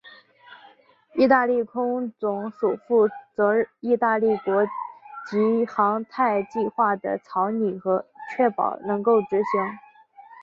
义大利太空总署负责义大利国家级航太计划的草拟和确保能够执行。